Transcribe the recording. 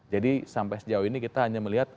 jadi sampai sejauh ini kita hanya melihat